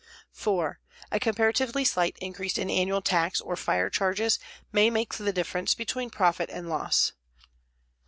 4. A comparatively slight increase in annual tax or fire charges may make the difference between profit and loss.